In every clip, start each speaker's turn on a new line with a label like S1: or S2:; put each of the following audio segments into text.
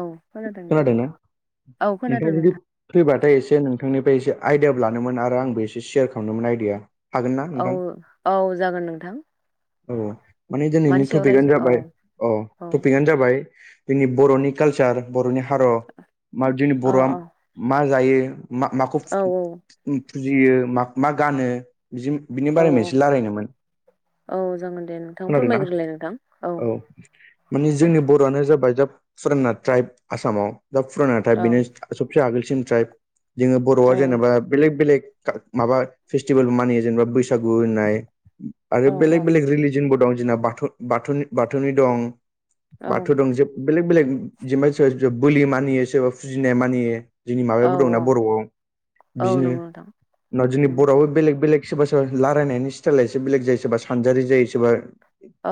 S1: औ खोनादों दे
S2: खोनादोंना
S1: नोंथां औ खोनादों नोंथां
S2: फैबाथाय एसे नोंथांनिफ्राय एसे आइडियाबो लानोमोन आरो आंबो एसे सेयार खालामनोमोन आयडिया
S1: औ औ जागोन नोंथां
S2: औ माने दिनैनि
S1: मानि सायाव
S2: टपिकनो
S1: रायज्ला औ
S2: जाबाय औ टपिकआनो जाबाय जोंनि बर'नि कालचार बर'नि हारिमुआ जोंनि
S1: अ
S2: बर'आ
S1: अ
S2: मा जायो मा माखौ
S1: औ
S2: फुजियो मा गानो बि बिनि
S1: औ
S2: बारैनो एसे रायलायनोमोन
S1: औ जागोन दे नोंथां
S2: खोनादों ना
S1: फोरमायग्रोलाय नोंथां
S2: औ माने
S1: दे
S2: जोंनि बर' आनो जाबाय दा फुराना ट्राइब आसामाव दा फुराना टाइब
S1: औ
S2: बेनो सबसे आगोलसिन ट्राइब जोङो बर'आ
S1: औ
S2: जेनेबा बेलेक बेलेग माबा फेस्टिभेल मानियो जेनेबा बैसागु होननाय आरो
S1: औ
S2: बेलेग बेलेग रिलिजनबो दं जोंना बाथौ बाथौनि बाथौनि दं
S1: औ
S2: बाथौ दं जे बेलेग बेलेग जेनेबा सोरबा बोलि मानियो सोरबा फुजिनाय मानियो जोंनि
S1: औ
S2: माबायाबो दंना
S1: औ
S2: बर'आव
S1: औ नंगौ नोंथां
S2: बिदिनो जोंनि
S1: उम
S2: बर'आवबो बेलेग बेलेग सोरबा सोरबा रायलायनायनि स्टाइल एससे बेलेग जायो सोरबा सानजारि जायो सोरबा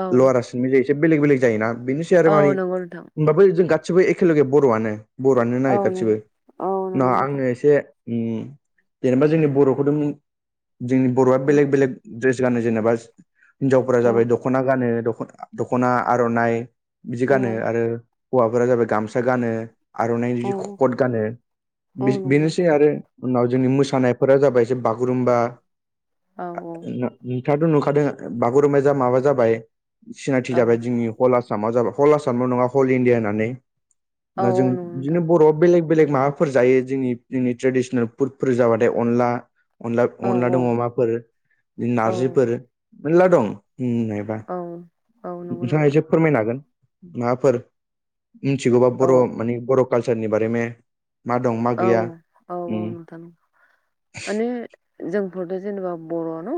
S1: औ
S2: लवारासो एसे बेलेग बेलेग जायोना बेनोसै आरो
S1: औ
S2: माने
S1: नंगौ नोंथां
S2: होनबाबो जों गासिबो एखे लगे बर'आनो बर'आनो
S1: औ नों
S2: नायिरखासिबो
S1: औ
S2: ना
S1: नंगौ नोंथां
S2: आङो एसे जेनेबा जोंनि बर'खौथ' जोंनि बर'आ
S1: औ
S2: बेलेग बेलेग द्रेस गानो जेनेबा हिनजावफोरा
S1: औ
S2: जाबाय दख'ना गानो दख'ना आर'नाइ बिदि
S1: औ
S2: गानो आरो हौवाफोरा जाबाय गामसा गानो आर'नाइ
S1: औ
S2: जदि कत गानो
S1: औ नंगौ
S2: बेनोसै
S1: नोंथां
S2: आरो उनाव जोंनि मोसानाय फोर जाबाय एसे बागुरुम्बा
S1: औ औ
S2: नोंथाङाथ' नुखादों बागुरुम्बाया जा माबा जाबाय सिनायथि
S1: औ
S2: जाबाय जोंनि हल आसामा जाबाय हल आसामल' नङा हल इण्डिया होननानै
S1: औ
S2: जों
S1: नंगौ
S2: बिदिनो
S1: नोंथां
S2: बर'आ बेलेग बेलेग माबाफोर जायो जोंनि जोंनि ट्रेडिसनेल फुडफोर जाबाथाय अनला अन
S1: औ
S2: अनला
S1: औ
S2: दं अमाफोर बिदिनो
S1: औ
S2: नारजिफोर मेरला दं
S1: औ औ नंगौ
S2: नोंथाङा
S1: नोंथां
S2: एसे फोरमायनो हागोन माबाफोर मिथिगौबा
S1: औ
S2: बर' मानि बर' काल्चारनि बारै मा दं मा
S1: औ
S2: गैया
S1: औ औ
S2: उम
S1: नोंथां माने जोंफोरथ' जेनेबा बर' न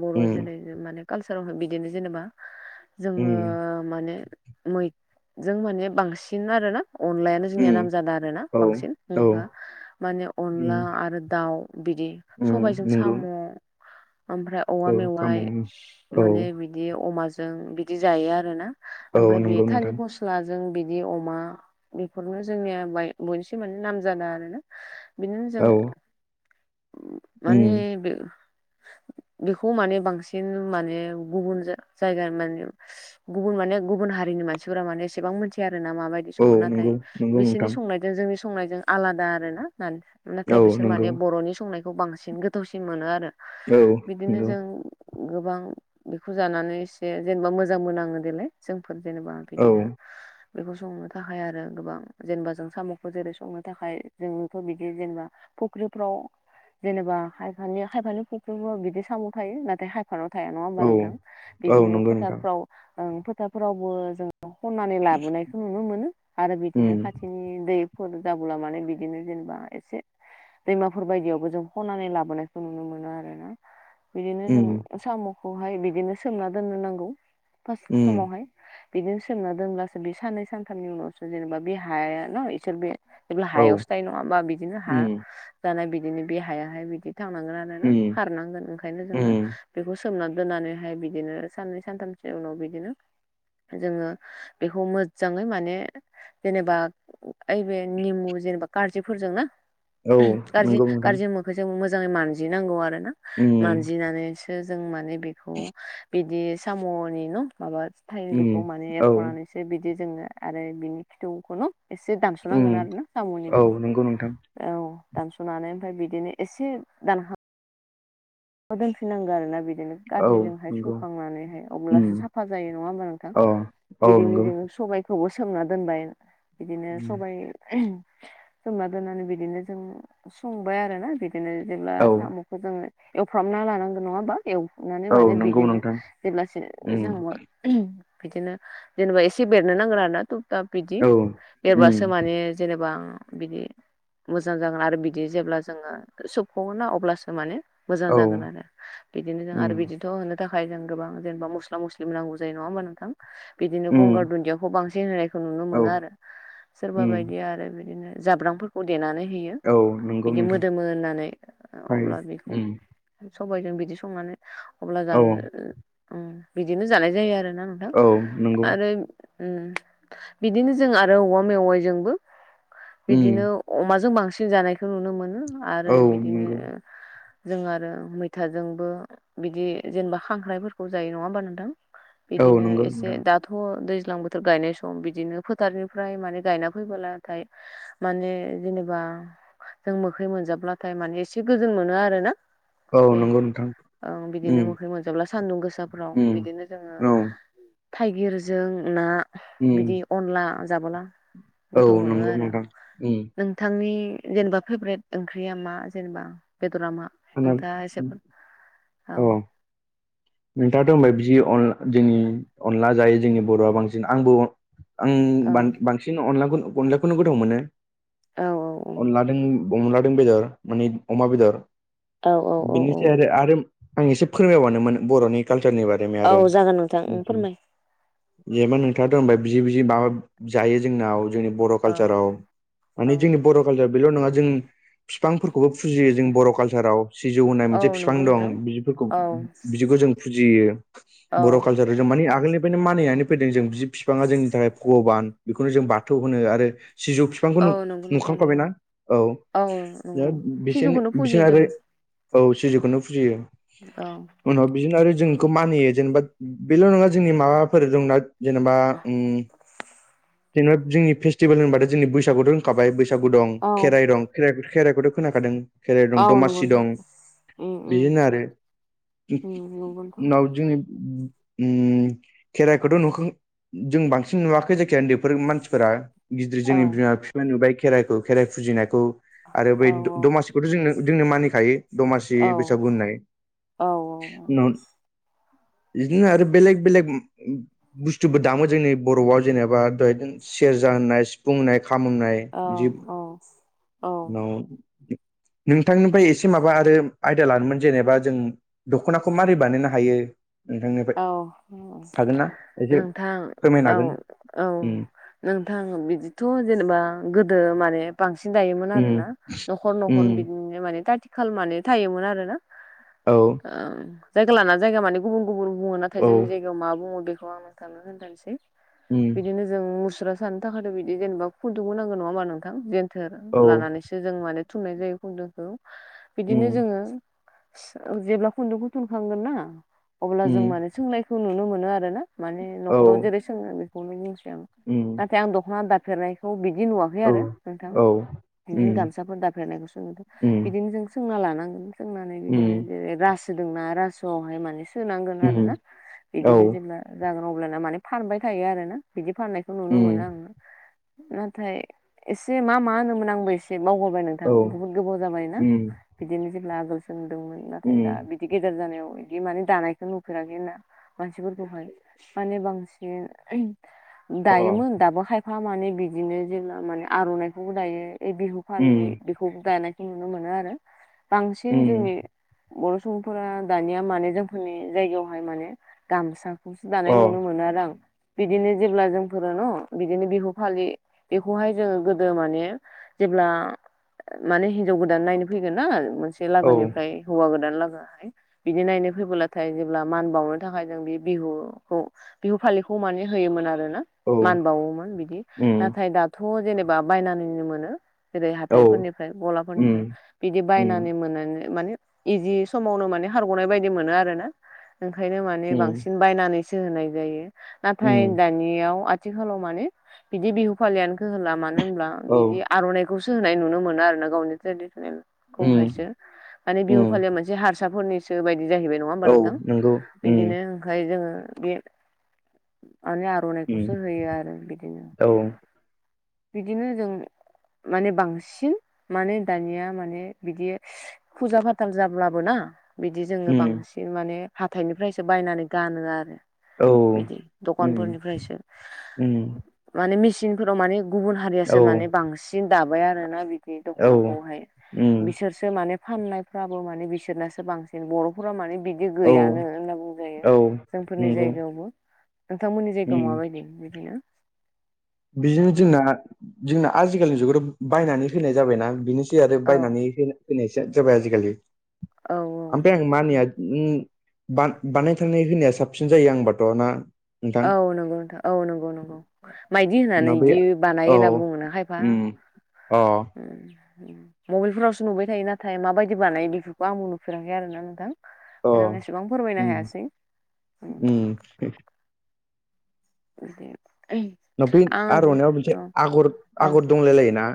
S1: बर'
S2: उम
S1: जेनै बे माने कालसारावनो बिदिनो जेनेबा जोङो
S2: उम
S1: माने मैजों माने बांसिन आरोना अनलायानो जोंनिया
S2: उम
S1: नामजादा आरोना
S2: औ
S1: बांसिन।
S2: औ
S1: जोंहा माने
S2: उम
S1: अनला आरो दाउ बिदि
S2: उम
S1: सबाइजों
S2: नंगौ
S1: साम' ओमफ्राय औवा
S2: औ साम'
S1: मेवाइ
S2: उम औ
S1: माने बि बिदि अमाजों बिदि जायो आरोना
S2: औ
S1: ओमफ्राय बेयो
S2: नंगौ
S1: थालि
S2: नोंथां
S1: फस स्लाजों बिदि अमा बेफोरनो जोंनिया बाय बयनिसिमानो माने नामजादा आरोना। बिदिनो जों
S2: औ
S1: माने
S2: उम
S1: बे बेखौ माने बांसिन माने गुबुन जायगा माने गुबुन माने गुबुन हारिनि मानसिफोरा माने एसेबां मोनथिया आरोना माबाय
S2: औ
S1: सङो नाथाय
S2: नंगौ नंगौ
S1: बिसोरनि
S2: नोंथां
S1: संनाय जों जोंनि संनायजों आलादा आरोना ना नाथाय
S2: औ
S1: बिसोर
S2: नंगौ
S1: माने बर'नि संनाय खौ बांसिन गोथावसिन मोनो आरो
S2: औ
S1: बिदिनो
S2: नंगौ
S1: जों गोबां बेखौ जानानै एसे जेनबा मोजांबो नाङो देलाय। जोंफोर जेनेबा
S2: औ
S1: बिदिनो बेखौ संनो थाखाय आरो गोबां जेनबा जों साम'खौ जेरै सङो। थाखाय जोंथ' बिदि जेनबा फुख्रिफ्राव जेनेबा खायफानि खायफानि फुख्रिफ्राव बिदि साम' थायो नाथाय खाय फानाव थाया नङा ओमबा
S2: औ
S1: नोंथां
S2: औ
S1: बिदिनो
S2: नंगौ नोंथां
S1: फोथाफ्राव फोथारफोरावबो जों खननानै लाबोनायखौ नुनो मोनो आरो बिदिनो
S2: उम
S1: खाथिनि दैफोर जाबोला माने बिदिनो जेनबा एसे दैमाफोर बायदियावबो जों खनानै लाबोनायखौ नुनो मोनो आरोना। बिदिनो जों
S2: उम
S1: साम'खौहाय बिदिनो सोमना दोननो नांगौ फार्स्ट
S2: उम
S1: समावहाय। बिदिनो सोमना दोनब्लासो बे साननै सानथामनि उनावसो जेनेबा बे हाया ना इसोर बे जेब्ला
S2: औ
S1: हायावसो थायो नङा ओमबा बिदिनो हा
S2: उम
S1: जानाय बिदिनो बे हायाहाय बिदि थांनांगोन आरो। हायाना
S2: उम
S1: खारनांगोन ओंखायनो जोङो
S2: उम
S1: बेखौ सोमनानै दोननानैहाय बिदिनो साननै सानथामसो उनाव बिदिनो जोङो बेखौ मोजाङै माने जेनेबा ओइ ओइबे निमु जेनेबा कारजिफोरजोंनो
S2: औ
S1: कारजि
S2: नंगौ नोंथां
S1: कारजि मो बेखौ जों मोजाङै मानजिनांगौ आरोना
S2: उम
S1: मानजिनानै बेखो जों माने बेखौ बिदि साम'नि न' माबा थायो
S2: उम
S1: बेखौ माने
S2: औ
S1: एरख'नानैसो बिदि जोङो आरो बिनि खिथुखौनो एसे दामस'
S2: उम
S1: दानस'नांगोन आरोना साम'नि
S2: औ
S1: बिदिखौ
S2: नंगौ नोंथां
S1: औ दानस'नानै ओमफ्राय बिदिनो एसे दानहां दोनफिनांगौ आरोना बिदिनो
S2: औ
S1: गाज्रिजोंहाय
S2: नंगौ
S1: सुखांनानैहाय अब्लासो
S2: उम
S1: साफा जायो नङा ओमबा नोंथां?
S2: अ औ
S1: बिदिनो
S2: नंगौ
S1: जोङो सबाइखौबो सोमना दोनबाय बिदिनो
S2: उम
S1: सबाइ सोमना दोननानै बिदिनो जों संबाय आरोना बिदिनो जेब्ला
S2: औ
S1: साम' खौ जोङो एवफ्रामना लानांगोन नङा ओमबा? एवफ्रामनानै
S2: औ
S1: माने
S2: नंगौ
S1: बिदिनो
S2: नोंथां
S1: जेब्लासे
S2: उम
S1: जोंबो बिदिनो जेनेबा एसे बेरनो नांगोन आरोना तुब ताब दा बिदि
S2: औ उम
S1: एरबासो माने जेनेबा बिदि मोजां जागोन आरो बिदि जेब्ला जोङो सोबख'गोन ना अब्लासो माने मोजां
S2: औ
S1: जागोन आरो बिदिनो जों
S2: उम
S1: आरो बिदिथ' होनो थाखाय जों गोबां जेनबा मस्ला मस्लिबो नांगौ जायो नङा ओमबा नोंथां? बिदिनो
S2: उम
S1: गंगार दुन्दियाखौ बांसिन होनायखौ नुनो
S2: औ
S1: मोनो आरो सोरबा
S2: उम
S1: बायदि आरो बिदिनो जाब्रांफोरखौ देनानै होयो
S2: औ नंगौ
S1: बिदि
S2: नोंथां
S1: मोदोमो होननानै अब्ला बेखौ
S2: थारैनो उम
S1: सबाइजों बिदि संनानै अब्ला
S2: औ
S1: जानो उम बिदिनो जानाय जायो आरोना आं। नोंथां
S2: औ नंगौ
S1: आरो उम बिदिनो जों आरो औवा मेवाइजोंबो बिदिनो
S2: उम
S1: अमाजों बांसिन जानायखौ नुनो मोनो आरो
S2: औ
S1: बिदिनो
S2: नंगौ
S1: जों आरो मैथाजोंबो बिदि जेनेबा खांख्रायफोरखौ जायो नङा ओमबा नोंथां?
S2: औ
S1: इदिनो
S2: नंगौ
S1: एसे
S2: नोंथां
S1: दाब थ' दैज्लां बोथोर गायनाय सम बिदिनो फोथारनिफ्राय माने गायना फैबोलाथाय माने जेनेबा जों मोखै मोनजाब्लाथाय माने एसे गोजोन मोनो आरो ना
S2: औ
S1: दे
S2: नंगौ नोंथां
S1: ओं बिदिनो
S2: उम
S1: मोखै मोनजाब्ला सानदुं गोसाफ्राव
S2: उम
S1: बिदिनो जोङो
S2: औ
S1: थाइगिरजों ना
S2: उम
S1: बिदि अनला जाबोला
S2: औ
S1: गोथाव मोनो
S2: नंगौ
S1: आरो
S2: नोंथां उम
S1: बिथांनि जेनेबा फेभ्रेट ओंख्रिया मा जेनेबा बेदरा मा
S2: आंना
S1: दा एसेबो
S2: अ
S1: औ
S2: नोंथाङाथ' होनबाय बिदि अन जोंनि अनला जायो जोंनि बर'आ बांसिन आंबो आं
S1: औ
S2: बांसिन अनला अनलाखौनो गोथाव मोनो
S1: औ औ औ
S2: अनलादों अनलादों बेदर मानि अमा बेदर
S1: औ औ औ
S2: बिनोसै आरो आं एसे फोरमायबानोमोन बर'नि कालसारनि बारै आरो
S1: औ जागोन नोंथां फोरमाय
S2: जेनेबा नोंथाङाथ' होना बि बि माबा जायो जोंनाव जोंनि बर'
S1: औ
S2: कालचाराव
S1: औ
S2: मानिे जोंनि बर' कालचार बेल' नङा जों बिफांफोरखौबो फुजियो जों बर' कालसार ससाराव सिजौ होननाय
S1: औ
S2: मोनसे बिफां
S1: नंगौ नोंथां
S2: दं बिफोरखौ
S1: औ
S2: बिदिखौ जों फुजियो
S1: औ
S2: आरो जों माने आगोलनिफ्रायनो मानिनानै फैदों जों बि बिफाङा जोंनि थाखाय भगबान बेखौनो जों बाथौ होनो आरो सिजौ बिफांखौ
S1: औ नंगौ नोंथां नंगौ
S2: नुखांखाबायनाा औ द
S1: नंगौ
S2: बिस
S1: सिजौखौनो फुजियो
S2: बिसोर
S1: जों
S2: आरोै औ सिजौखौनो फुजियो
S1: औ
S2: उनाव बिदिनो आरो जोंखौ मानियो जेनेबा बेल' नङा जोंनि माबाफोर दंना जेनेबा जेनेबा जोंनि फेस्टिभेल होनबाथाय जोंनि बैसागुथ' थाबाय बैसागु दं
S1: औ
S2: खेराइ दं खेराइखौथ' खोनाखादों खेराइ
S1: औ
S2: दं
S1: नंगौ
S2: दमासि दं
S1: उम उम
S2: बिदिनो आरो
S1: उम नंगौ नोंथां
S2: उनाव जोंनि खेराइखौथ' नुखो जों बांसिन नुवाखै जायखिजाया उन्दैफोर मानसिफोरा गिदिर
S1: औ
S2: जोंनि बिमा बिफा नुबाय खेराइखौ खेराइ फुजिनायखौ आरो
S1: औ
S2: बै दमासिखौथ' जोंनो जोंनो मानिखायो दमासि
S1: औ
S2: बैसाग होननाय
S1: औ
S2: उनाव बिदिनो आरो बेलेग बेलेग बुस्थुबो दामो जोंनि बर'आव जेनेबा द सेरजा होननाय सिफुं होननाय खामनाय बिदि
S1: औ औ
S2: उन नोंथांनिफ्राय एसे माबा आरो आयदा लानोमोन जेनेबा जों दख'नाखौ मारै बानायनो हायो नोंथांनिफ्राय
S1: औ
S2: हागोन ना एसे
S1: नोंथां
S2: फोरमायनो
S1: औ
S2: हागोन
S1: औ
S2: उम
S1: नोंथां बिदिथ' जेनेबा गोदो माने बांसिन दायोमोन आर
S2: उम
S1: ना नखर नखर
S2: उम
S1: बिदिनो माने आ आथिखाल माने थायोमोन आरो ना
S2: औ
S1: जायगा लाना जायगा मान गुबुन गुबुन बुङो नाथाय
S2: औ
S1: जोंनि जायगा बेयाव मा बुङो बेखौ आं नोंथांनो होन्थानोसै
S2: उ
S1: बिदिनो जों मुस्राा सानो थाखायथ' बिदि जेनेबा खुन्दुं नांगौ नङा हा नोंथां जेथेर
S2: औ
S1: लानानैसो जों मानानो थुंनाय जायो खुन्दुंखौ बिदिनो
S2: उम
S1: जोङो जेब्ला खुन्दुंखौ थुनखांगोन ना अब्ला
S2: उम
S1: जों माने सोंनायखौ नुनो मोनो आरो ना माने नखराव जेरै सोङो बेखौनो बुंसै आं
S2: उ
S1: न आं दखना दाफेरनायखौ बिदि नुवाखै आरो नोंथां
S2: औ
S1: बिदिनो
S2: उम
S1: गामसाफोर दाफेरनायखौ सोङो
S2: उम
S1: बिदिनो जों सोंना लानांगोन सोंनानै बिदिनो
S2: उम
S1: जेरै सोदोंना रासोआवहाय माने सोनांगोन
S2: उम
S1: आरोना
S2: औ
S1: बिदिनो जेब्ला जागोन अब्लाना माने फानबाय थायो आरो ना बिदि फाननाय
S2: उ
S1: नाथाय एसे मा मा होनोमोन आंबो ए से बावबोबाय नोंथां
S2: औ
S1: बुहुत गोबाव जाबाय ना
S2: उम
S1: बिदिनो जेब्ला आगोल सो नुदोंमोन नाथाय दा
S2: उम
S1: बिदि गेदेर जानायाव बिदि माने दानायखौ नुफेराखै होना मानसिफोरखौहाय माने बांसिन
S2: अ
S1: दायोमोन दाबो खायफा माने बिदिनो जेब्ला माने आर'नाइखौबो दायो बे बिहु फालि
S2: उम
S1: बेखौ दायनायखौ नुनो मोनो आरो बांसिन
S2: उम
S1: जोंनि बर' सुबुंफोरा दानिया माने जोंफोरनि जायगायावहाय माने गामसा खौसो
S2: अ
S1: दानाय नुनो मोनो आरो आं बिदिनो जेब्ला जोंफोरो न' बिदिनो बिहु फालि बेखौहाय जोङो गोदो माने जेब्ला माने हिनजाव गोदान नायनो फैगोन ना मान सि
S2: औ
S1: लोगोनिफ्राय हौवा गोदान लोगो बिदि नायनो फैबोला नाथाय जेब्ला मान बावनो थाखाय जों बे बिहुखौ बिहु फालिखौ माने होयोमोन आरो ना
S2: औ
S1: मान बावोमोन बिदि
S2: उम
S1: नाथाय दाथ' जेनेबा बायनानैनो मोनो जेरै
S2: औ
S1: हाथायफोरनिफ्राय
S2: उम
S1: गलाफोरनिफ्राय बिदि
S2: उम
S1: बायनानै मोननानै माने इजि समावनो माने हारग'नाय बायदि मोनो आरो ना ओंखायनो माने
S2: उम
S1: बांसिन बायनानैसो होनाय जायो नाथाय
S2: उम
S1: दानियाव आथिखालाव माने बिदि बिहु फालियानोखौ होला मानो होनब्ला
S2: औ
S1: बिदि आर'नाइखौसो होनाय नुनो मोनो आरो ना गावनि ट्रेडिसनेल
S2: उम
S1: खौहायसो माने बिहु
S2: उम
S1: फालिया मोनसे हारसाफोरनिसो बायदि जाहैबाय नङा होमबा नों
S2: नोंगौ उम
S1: जोंखाय जोङो बे [unintelligible]
S2: उम
S1: र'नाइखौसो होयो आरो बिदिनो
S2: औ
S1: बिदिनो जों माने बांसिन माने दानिया माने बिदि फुजा फाथाल जाब्लाबो ना बिदि जोङो
S2: उम
S1: बांसिन माने हाथायनिफ्रायसो बायनानै गानो आरो
S2: औ
S1: बिदि
S2: उम
S1: दखानफोरनिफ्रायसो
S2: उम
S1: माने मेसिनफोराव माने गुबुन
S2: औ
S1: हारियासो माने बांसिन दाबाय आरोना बिदि
S2: औ
S1: दख'नाखौहाय
S2: उम
S1: बिसोरसो माने फाननायफ्राबो माने बिसोरनासो बांसिन बर'फोरा माने बि दि
S2: औ
S1: गैयानो होनना बुंजायो
S2: औ
S1: जोंफोरनि
S2: नंगौ
S1: जायगायावबो नोंथांमोननि जायगायाव
S2: उम
S1: माबायदि बिदिनो
S2: बिदिनो जोंना जोंना आजिखालिनि जुगाथ' बायनानै होनाय जाबायना बेनोसै आरो
S1: औ
S2: बायनानै होन होनायसो जाबाय आजिखालि
S1: औ औ
S2: ओमफ्राय आं मानिया उम बानाय थानाय होनाया साबसिन जायो आंबाथ' ना नोंथां
S1: औ नंगौ नोंथां औ नंगौ नंगौ माइदि होनानै
S2: ना बै
S1: बिदि बानायो
S2: औ
S1: होनना बुङोना खायफा
S2: उम अ
S1: उम मबाइलफोरावसो नुबाय थायो नाथाय माबायदि बानायो बेफोरखौ आंबो नुफेराखै आरोना नोंथां
S2: अ
S1: ओंखायनो आं एसेबां फोरमायनो हायासै
S2: दे [unintelligible]
S1: बिदि [unintelligible]
S2: न'फिद आर'नाइयाव मोनसे आगर
S1: औ
S2: आगर दंलाय लायो ना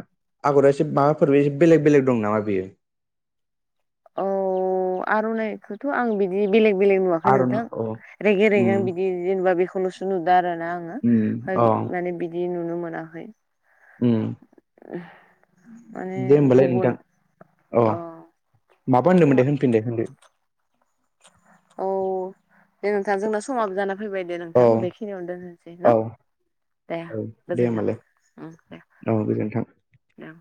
S2: आगर एसे माबाफोरबो एसे बेलेग बेलेग दं नामा बियो
S1: अ आर'नाइखोथ' थ' आं बिदि बेलेग बेलेग नुवाखै
S2: आर'ना
S1: नोंथां
S2: अ
S1: रेगे रेगे
S2: उम
S1: आं बिदि जेनेबा बेखौल'सो नुदों आरोना आं
S2: उम
S1: ओमफ्राय
S2: अ
S1: माने बिदि नुनो मोनाखै
S2: उम
S1: माने
S2: दे होमबालाय
S1: गुबुन
S2: नोंथां अ माबा होनदोंमोन
S1: समा
S2: दे होन फिन दे होनदो
S1: औ दे नोंथां जोंना समाबो जाना फैबाय दे
S2: औ
S1: नोंथां बेखिनियावनो दोननोसै
S2: औ
S1: न' दे
S2: औ दे
S1: गोजोनथों
S2: होमबालाय
S1: उम दे
S2: औ गोजोन्थों
S1: दे